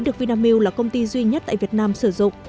được vinamilk là công ty duy nhất tại việt nam sử dụng